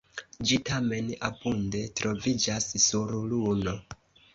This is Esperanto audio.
Ĝi tamen abunde troviĝas sur Luno.